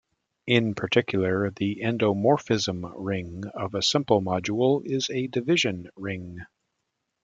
In particular, the endomorphism ring of a simple module is a division ring.